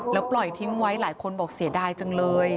แล้วปล่อยทิ้งไว้หลายคนบอกเสียดายจังเลย